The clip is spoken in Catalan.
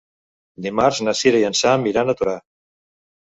Dimarts na Cira i en Sam iran a Torà.